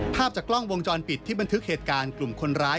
ภาพจากกล้องวงจรปิดที่บันทึกเหตุการณ์กลุ่มคนร้าย